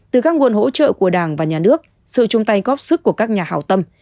từ các nguồn hỗ trợ của đảng và nhà nước sự chung tay góp sức của các nhà hào tâm